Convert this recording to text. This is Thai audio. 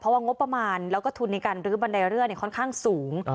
ว่างบประมาณแล้วก็ทุนในการรื้อบันไดเลื่อนค่อนข้างสูง